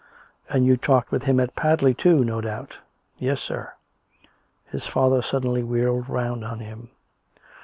" And you talked with him at Padley, too, no doubt? "" Yes, sir." His father suddenly wheeled round on him.